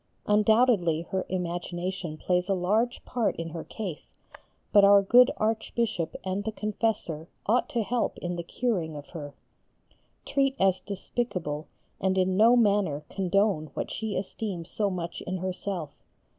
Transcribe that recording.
Undoubtedly, her imagination plays a large part in her case, but our good Archbishop and the confessor ought to help in the curing of her. Treat as despicable and in no manner condone what she esteems so much in herself.